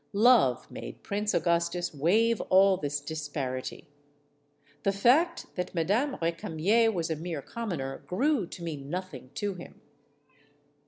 Love made Prince Augustus waive all this disparity. The fact that Madame Recamier was a mere commoner grew to mean nothing to him.